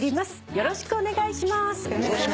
よろしくお願いします。